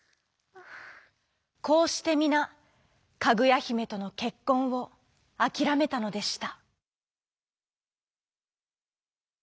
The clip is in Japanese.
こうしてみなかぐやひめとのけっこんをあきらめたのでした。